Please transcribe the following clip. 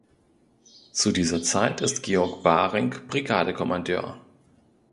Zu dieser Zeit ist Georg Baring "Brigade-Kommandeur".